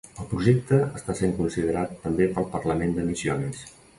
El projecte està sent considerat també pel parlament de Misiones.